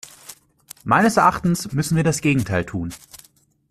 Meines Erachtens müssen wir das Gegenteil tun.